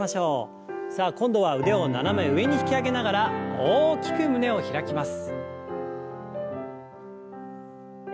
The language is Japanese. さあ今度は腕を斜め上に引き上げながら大きく胸を開きます。